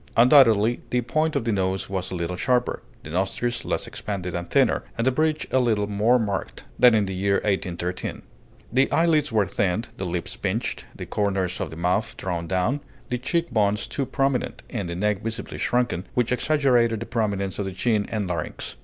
Undoubtedly the point of the nose was a little sharper, the nostrils less expanded and thinner, and the bridge a little more marked, than in the year 1813. The eyelids were thinned, the lips pinched, the corners of the mouth drawn down, the cheek bones too prominent, and the neck visibly shrunken, which exaggerated the prominence of the chin and larynx.